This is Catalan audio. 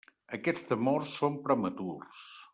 Aquests temors són prematurs.